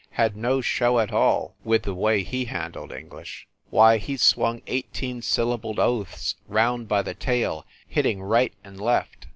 had no show at all with the way he handled English. Why, he swung eighteen syllabled oaths round by the tail, hitting right and left.